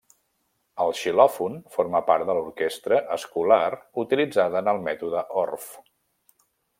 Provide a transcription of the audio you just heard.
El xilòfon forma part de l'orquestra escolar utilitzada en el mètode Orff.